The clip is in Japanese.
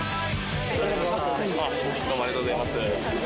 あっどうもありがとうございます。